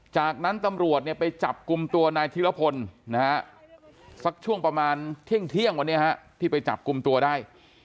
จากนั้นตำรวจไปจับกลุ่มตัวนายธิรพลนะฮะสักช่วงประมาณเที่ยงวันนี้ที่ไปจับกลุ่มตัวได้